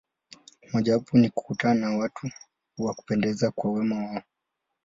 Mojawapo ni kukutana na watu wa kupendeza kwa wema wao.